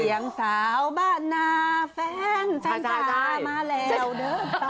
เสียงสาวบ้านาแฟนเต้นทะมาแล้วเดินตัวนี้